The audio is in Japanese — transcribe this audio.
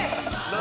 何？